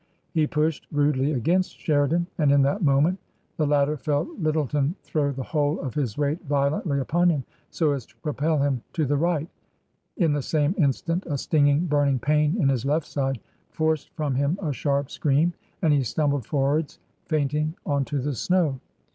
He pushed rudely against Sheridan. And in that moment the latter felt L)rttleton throw the whole of his weight violently upon him so as to propel him to the right ; in the same instant a stinging, burning pain in his left side forced from him a sharp scream, and he stumbled forwards, fainting, on to the snow.